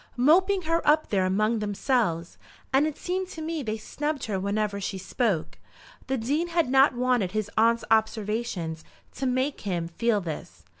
"Moping her up there among themselves; and it seemed to me they snubbed her whenever she spoke." The Dean had not wanted his aunt's observation to make him feel this.